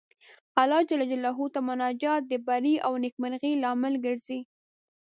الله جل جلاله ته مناجات د بري او نېکمرغۍ لامل ګرځي.